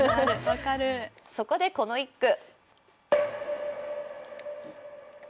そこでこの一句。